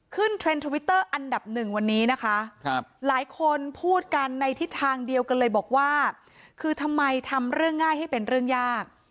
เทรนด์ทวิตเตอร์อันดับหนึ่งวันนี้นะคะหลายคนพูดกันในทิศทางเดียวกันเลยบอกว่าคือทำไมทำเรื่องง่ายให้เป็นเรื่องยาก